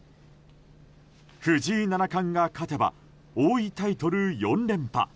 藤井七冠が勝てば王位タイトル４連覇。